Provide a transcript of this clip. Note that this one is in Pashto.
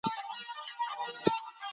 که تعصب وي نو پرمختګ ناشونی دی.